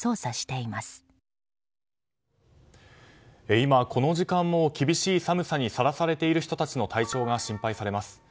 今、この時間も厳しい寒さにさらされている人たちの体調が心配されます。